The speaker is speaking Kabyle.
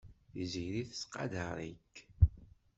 Tiziri tettqadar-ik.